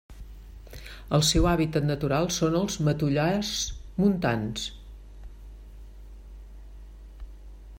El seu hàbitat natural són els matollars montans.